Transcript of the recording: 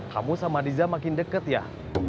kamu sama diza makin deket ya